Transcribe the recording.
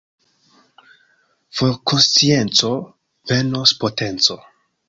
For konscienco, venos potenco.